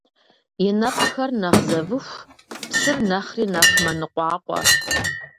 И нэпкъхэр нэхъ зэвыху, псыр нэхъри нэхъ мэныкъуакъуэ.